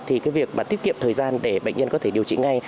thì cái việc mà tiết kiệm thời gian để bệnh nhân có thể điều trị ngay